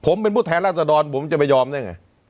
ผมเป็นผู้แททย์ราษดรผมจะประหยอมด้วยไง